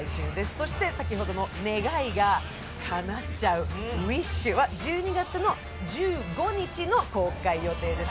そして先ほどの願いがかなっちゃう「ウィッシュ」は１２月の１５日の公開予定です。